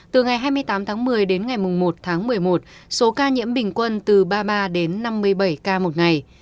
từ ngày hai mươi tám tháng một mươi đến ngày một tháng một mươi một số ca nhiễm bình quân từ ba mươi ba đến năm mươi bảy ca một ngày